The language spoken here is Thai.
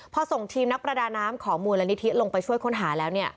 พอส่งทีมนักประดาน้ำของมูลนิธิลงไปช่วยค้นหาแล้ว